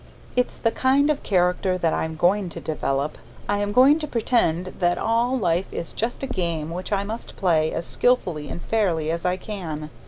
It's the kind of character that I am going to develop. I am going to pretend that all life is just a game which I must play as skilfully and fairly as I can.